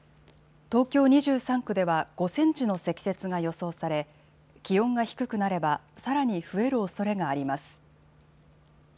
東京２３区では５センチの積雪が予想され気温が低くなれば、さらに増えるおそれがあります。